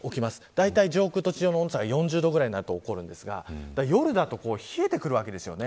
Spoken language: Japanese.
だいたい上空と地上の温度差が４０度ぐらいになると起こるんですが夜だと冷えてくるわけですよね。